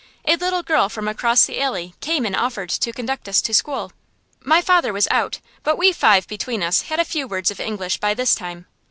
A little girl from across the alley came and offered to conduct us to school. My father was out, but we five between us had a few words of English by this time.